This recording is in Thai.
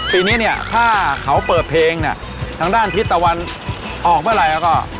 ปีนี้เนี่ยถ้าเขาเปิดเพลงเนี่ยทางด้านทิศตะวันออกเมื่อไหร่แล้วก็